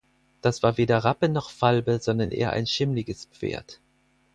Das war weder Rappe noch Falbe, sondern eher ein schimmliges Pferd.